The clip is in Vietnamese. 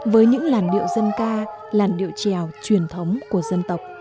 với những làn điệu dân ca